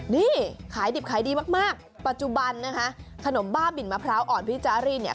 นี่ขายดิบขายดีมากมากปัจจุบันนะคะขนมบ้าบินมะพร้าวอ่อนพี่จารีดเนี่ย